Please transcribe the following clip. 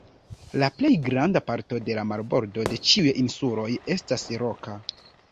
La plej granda parto de la marbordo de ĉiuj insuloj estas roka.